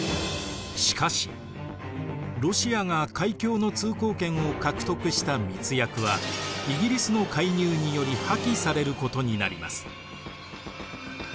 しかしロシアが海峡の通行権を獲得した密約はイギリスの介入により破棄されることになります。